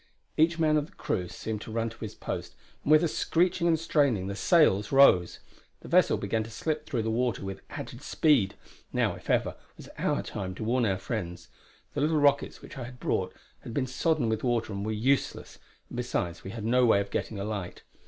Each man of the crew seemed to run to his post, and with a screeching and straining the sails rose. The vessel began to slip through the water with added speed. Now, if ever, was our time to warn our friends. The little rockets which I had brought had been sodden with water and were useless, and besides we had no way of getting a light.